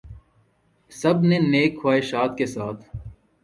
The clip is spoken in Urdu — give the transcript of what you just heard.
سب نے نیک خواہشات کے ساتھ